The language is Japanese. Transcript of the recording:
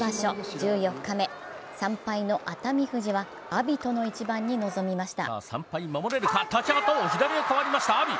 １４日目、３敗の熱海富士は阿炎との一番に臨みました。